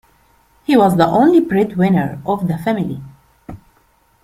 He was the only breadwinner of the family.